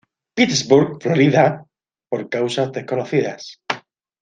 Petersburg, Florida, por causas desconocidas.